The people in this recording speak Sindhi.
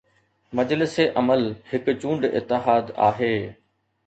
مجلس عمل هڪ چونڊ اتحاد آهي.